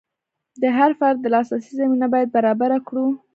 د هر فرد د لاسرسي زمینه باید برابره کړو.